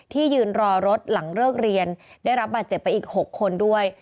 ยืนรอรถหลังเลิกเรียนได้รับบาดเจ็บไปอีก๖คนด้วย